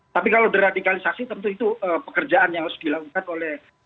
tapi kalau deradikalisasi tentu itu pekerjaan yang harus dilakukan oleh